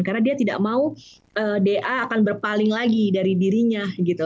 karena dia tidak mau da akan berpaling lagi dari dirinya